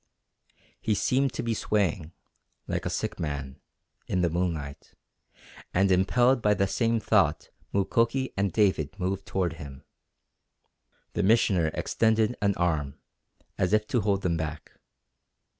He seemed to be swaying, like a sick man, in the moonlight, and impelled by the same thought Mukoki and David moved toward him. The Missioner extended an arm, as if to hold them back.